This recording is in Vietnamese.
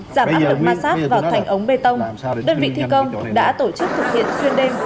giảm áp lực masat vào thành ống bê tông đơn vị thi công đã tổ chức thực hiện xuyên đêm